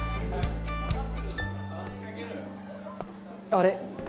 あれ？